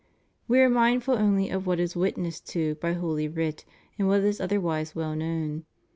We are mindful only of what is witnessed to by holy writ and what is otherwise well known.